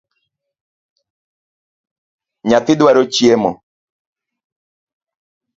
Nyathi dwaro chiemo